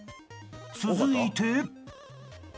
［続いて］